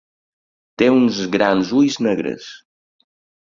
Té uns grans ulls negres.